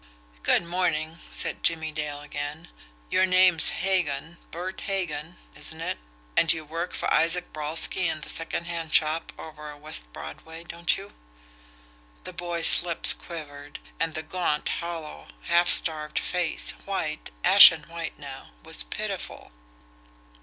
"Good morning," said Jimmie Dale again. "Your name's Hagan, Bert Hagan isn't it? And you work for Isaac Brolsky in the secondhand shop over on West Broadway don't you?" The boy's lips quivered, and the gaunt, hollow, half starved face, white, ashen white now, was pitiful.